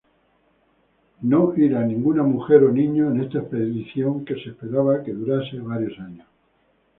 Ninguna mujer o niño irá en esa expedición que se esperaba durase varios años.